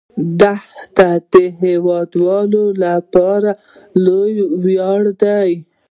دښتې د هیوادوالو لپاره لوی ویاړ دی.